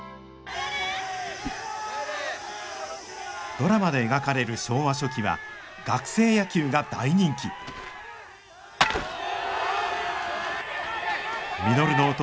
ドラマで描かれる昭和初期は学生野球が大人気稔の弟